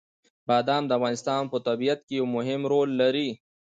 بادام د افغانستان په طبیعت کې یو مهم رول لري.